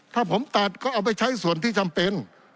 ถ้าผมตัดก็เอาไปใช้ส่วนที่จำเป็น